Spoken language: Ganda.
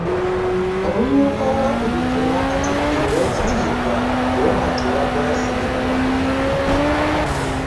Omumyuka owookubiri owa Katikkiro, Oweekitiibwa Robert Waggwa Nsibirwa